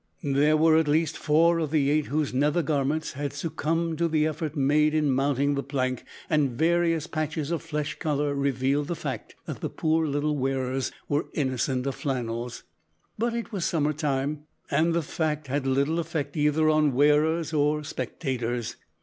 There were at least four of the eight whose nether garments had succumbed to the effort made in mounting the plank, and various patches of flesh colour revealed the fact that the poor little wearers were innocent of flannels. But it was summer time, and the fact had little effect either on wearers or spectators.